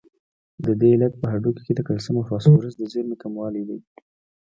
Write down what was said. د دې علت په هډوکو کې د کلسیم او فاسفورس د زیرمې کموالی دی.